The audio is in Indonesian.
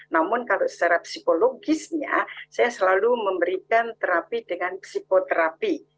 namun kalau secara psikologisnya saya selalu memberikan terapi dengan psikoterapi